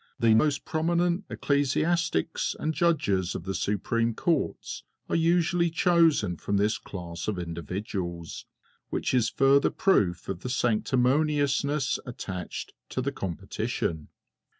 The most prominent ecclesiastics and Judges of the Supreme Courts are usually chosen from this class of individuals, which is a further proof of the sanctimoniousness attached to the competition.